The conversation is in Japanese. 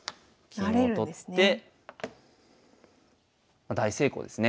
金を取って大成功ですね。